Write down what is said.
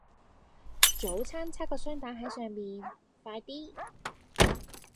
早餐差個雙蛋喺上面，快啲